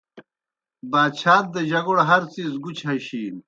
باچھات دی جگوڑ ہر څیز گُچھیْ ہشِینوْ۔